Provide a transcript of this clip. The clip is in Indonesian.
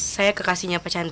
saya kekasihnya pak chandra